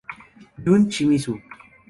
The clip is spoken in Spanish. Jun Shimizu